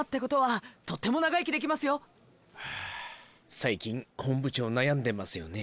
最近本部長悩んでますよね。